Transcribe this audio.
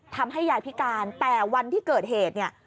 ทำให้ยายพิการแต่วันที่เกิดเหตุเนี่ย